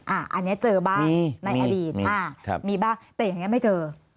อันนี้เจอบ้างในอดีตมีบ้างแต่อย่างนี้ไม่เจอ